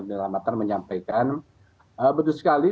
perdana volta menyampaikan betul sekali